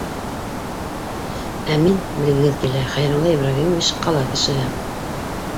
Ә мин, бел гегеҙ килһә, Хәйрулла Ибраһимович, ҡала кешеһе